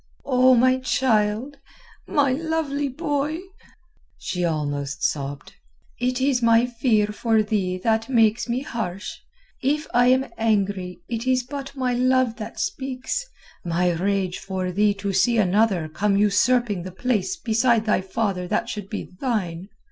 "O my child, my lovely boy," she almost sobbed. "It is my fear for thee that makes me harsh. If I am angry it is but my love that speaks, my rage for thee to see another come usurping the place beside thy father that should be thine.